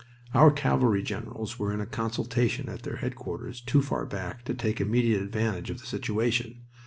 Our cavalry generals were in consultation at their headquarters, too far back to take immediate advantage of the situation.